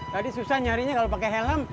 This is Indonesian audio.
tadi susah nyarinya kalau pakai helm